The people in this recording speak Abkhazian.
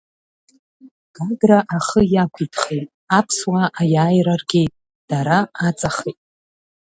Гагра ахы иақәиҭхеит, аԥсуаа Аиааира ргеит, дара аҵахеит.